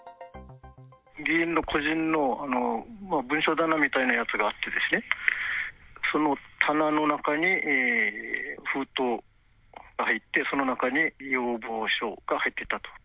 議員の個人の文書棚みたいのがあってですね、その棚の中に、封筒が入って、その中に要望書が入ってたと。